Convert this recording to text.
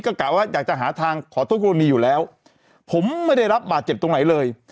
ก็กะว่าอยากจะหาทางขอโทษกรณีอยู่แล้วผมไม่ได้รับบาดเจ็บตรงไหนเลย